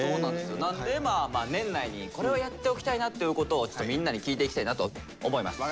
なんで年内にこれはやっておきたいなということをちょっとみんなに聞いていきたいなと思います。